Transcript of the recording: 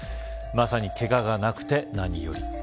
まさに、けががなくて何より。